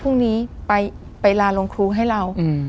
พรุ่งนี้ไปลาโรงครูให้เรา